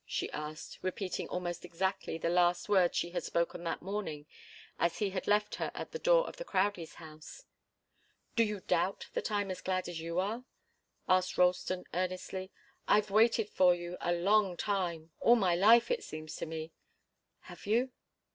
she asked, repeating almost exactly the last words she had spoken that morning as he had left her at the door of the Crowdies' house. "Do you doubt that I'm as glad as you are?" asked Ralston, earnestly. "I've waited for you a long time all my life, it seems to me." "Have you?"